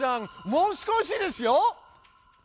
もう少しですよ！